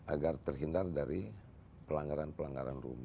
agar terhindar dari pelanggaran pelanggaran rumit